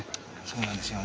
そうなんですよ。